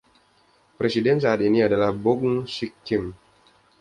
Presiden saat ini adalah Boung-Sik, Kim.